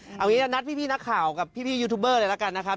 เอางี้เรานัดพี่นักข่าวกับพี่ยูทูบเบอร์เลยละกันนะครับ